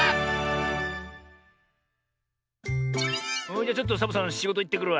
じゃちょっとサボさんしごといってくるわ。